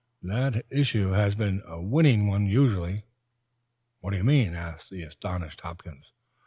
"That issue has been a winning one usually." "What do you mean?" asked the astonished Hopkins.